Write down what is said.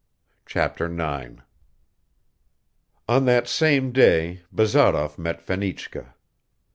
Chapter 9 ON THAT SAME DAY BAZAROV MET FENICHKA.